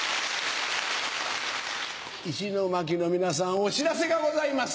石巻の皆さんお知らせがございます！